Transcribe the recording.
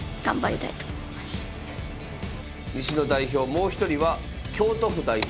もう一人は京都府代表